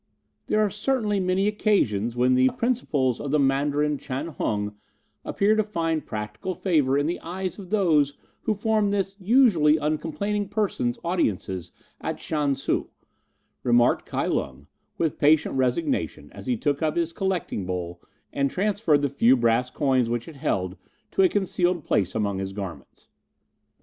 "There are certainly many occasions when the principles of the Mandarin Chan Hung appear to find practical favour in the eyes of those who form this usually uncomplaining person's audiences at Shan Tzu," remarked Kai Lung, with patient resignation, as he took up his collecting bowl and transferred the few brass coins which it held to a concealed place among his garments.